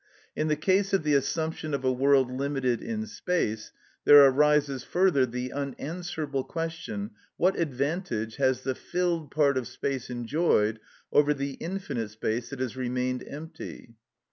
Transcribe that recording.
In the case of the assumption of a world limited in space, there arises further the unanswerable question, What advantage has the filled part of space enjoyed over the infinite space that has remained empty?